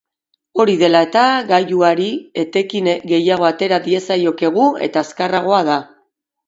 Hori dela eta, gailuari etekin gehiago atera diezaiokegu eta azkarragoa da.